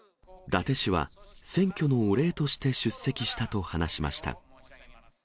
伊達氏は、選挙のお礼として出席したと話しました。